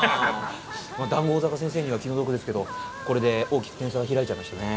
談合坂先生には気の毒ですけどこれで大きく点差が開いちゃいましたね。